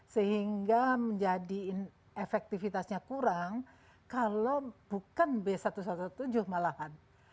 sehingga menjadi efektifitasnya kurang kalau bukan b satu ratus tujuh belas malahan